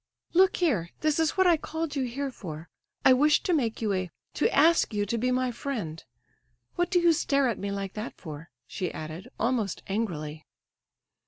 "Look here; this is what I called you here for. I wish to make you a—to ask you to be my friend. What do you stare at me like that for?" she added, almost angrily.